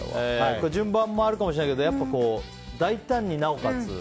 順番もあるかもしれないけど大胆、なおかつ